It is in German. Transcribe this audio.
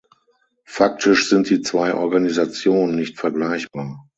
Faktisch sind die zwei Organisationen nicht vergleichbar.